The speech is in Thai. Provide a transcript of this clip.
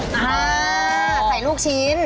อ๋อไข่ลูกชิ้น